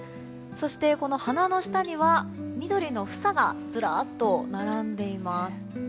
そして、花の下には緑の房がずらっと並んでいます。